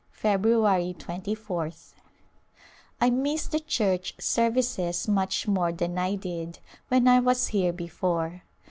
February 2 ph. ... I miss the church services much more than I did when I was here before.